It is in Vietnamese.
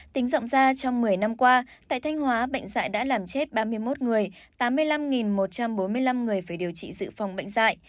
tính rộng ra trong một mươi năm qua tại thanh hóa bệnh dạy đã làm chết ba mươi một người tám mươi năm một trăm bốn mươi năm người phải điều trị dự phòng bệnh dạy